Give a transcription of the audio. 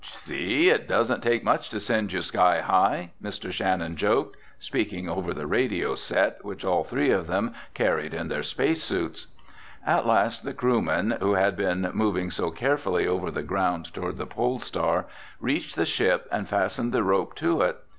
"See, it doesn't take much to send you sky high!" Mr. Shannon joked, speaking over the radio set which all three of them carried in their space suits. At last the crewmen, who had been moving so carefully over the ground toward the Pole Star, reached the ship and fastened the rope to it.